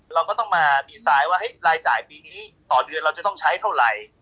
เราก็ต้องมาดีไซน์ว่ารายจ่ายปีนี้ต่อเดือนเราจะต้องใช้เท่าไหร่